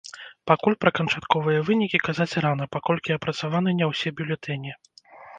Пакуль пра канчатковыя вынікі казаць рана, паколькі апрацаваны не ўсе бюлетэні.